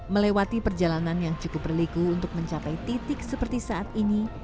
melewati perjalanan yang cukup berliku untuk mencapai titik seperti saat ini